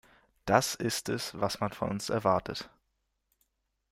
Das ist es, was man von uns erwartet.